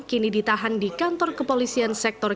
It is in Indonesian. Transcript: kini ditahan di kantor kepolisian sektor